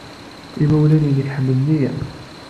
Imawlan-nnek ḥemmlen-iyi.